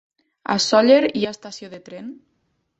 A Sóller hi ha estació de tren?